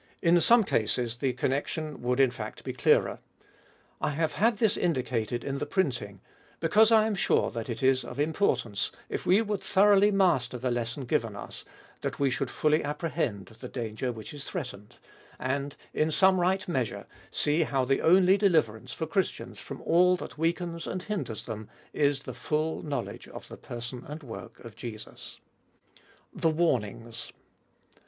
In some cases, the connection would in fact be clearer. I have had this indicated in the printing, because I am sure that it is of importance, if we would thoroughly master the lesson given us, that we should fully apprehend the danger which threatened, and in some right measure see how the only deliverance for Christians from all that weakens and hinders them, is the full knowledge of the person and work of Jesus. THE WARNINGS.